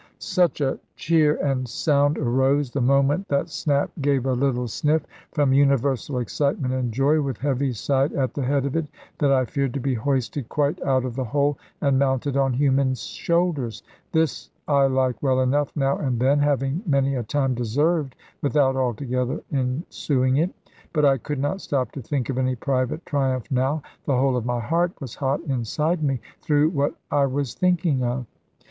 Such a cheer and sound arose (the moment that Snap gave a little sniff), from universal excitement and joy, with Heaviside at the head of it, that I feared to be hoisted quite out of the hole, and mounted on human shoulders. This I like well enough now and then, having many a time deserved without altogether ensuing it; but I could not stop to think of any private triumph now. The whole of my heart was hot inside me, through what I was thinking of.